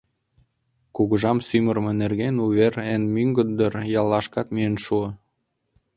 Кугыжам сӱмырымӧ нерген увер эн мӱгндыр яллашкат миен шуо.